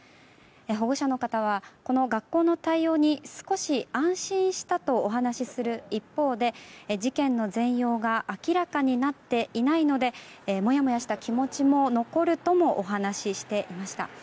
保護者の方はこの学校の対応に少し安心したとお話しする一方で事件の全容が明らかになっていないのでもやもやした気持ちも残るともお話ししていました。